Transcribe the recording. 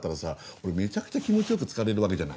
俺めちゃくちゃ気持ち良くつかれるわけじゃない。